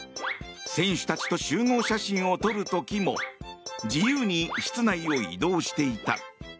選手たちと集合写真を撮るときも自由に室内を移動していた。